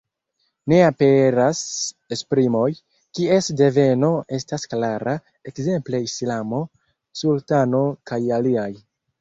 Ne aperas esprimoj, kies deveno estas klara, ekzemple islamo, sultano kaj aliaj.